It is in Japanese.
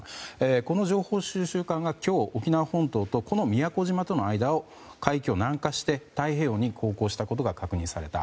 この情報収集艦が今日、沖縄本島と宮古島との間をその海域を南下して太平洋に航行したことが確認された。